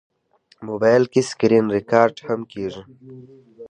موبایل کې سکرینریکارډ هم کېږي.